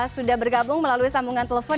sudah bergabung melalui sambungan telepon